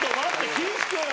岸君。